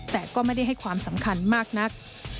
แต่ก็ไม่ได้ให้ความสำคัญมากนัก